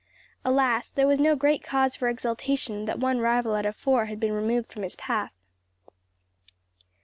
Alas, there was no great cause for exultation that one rival out of four had been removed from his path.